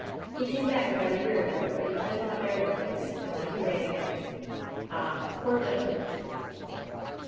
He came back about a year ago ; but he couldn't abear the place, and went away again. Ah, poor gentleman